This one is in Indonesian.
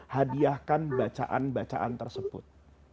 hadiahkan bacaan bacaan tersebut